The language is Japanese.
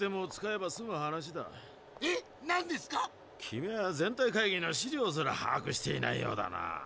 君は全体会議の資料すら把握していないようだな。